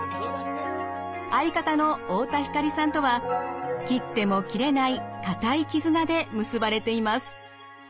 相方の太田光さんとは切っても切れない固い絆で結ばれています。